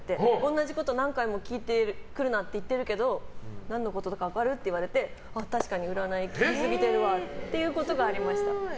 同じこと何回も聞いてくるなって言ってるけど何のことか分かる？って言われて確かに、占いで聞きすぎてるわっていうことがありました。